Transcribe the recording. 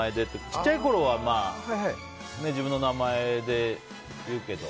ちっちゃいころは、まあ自分の名前で言うけど。